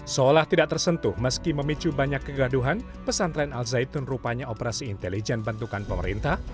seolah tidak tersentuh meski memicu banyak kegaduhan pesantren al zaitun rupanya operasi intelijen bentukan pemerintah